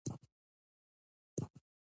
تور توره تورې تورو